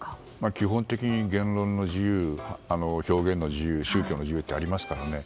基本的に言論の自由表現の自由宗教の自由ってありますからね。